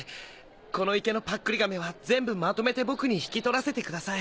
この池のパックリ亀は全部まとめて僕に引き取らせてください。